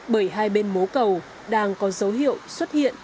bởi hai bên mố cầu đang có dấu hiệu xuất hiện